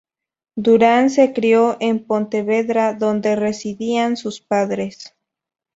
Durán se crio en Pontevedra, donde residían sus padres.